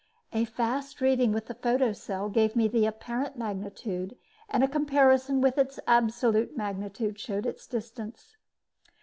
A fast reading with the photocell gave me the apparent magnitude and a comparison with its absolute magnitude showed its distance.